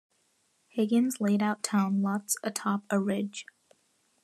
Higgins laid out town lots atop a ridge.